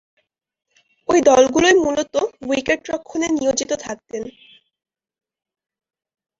ঐ দলগুলোয় মূলতঃ উইকেট-রক্ষণে নিয়োজিত থাকতেন।